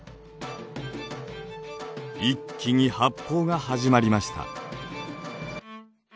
一気に発泡が始まりました。